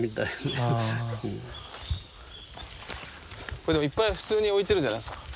これでもいっぱい普通に置いてるじゃないすか。